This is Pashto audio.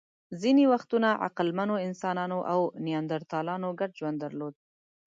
ځینې وختونه عقلمنو انسانانو او نیاندرتالانو ګډ ژوند درلود.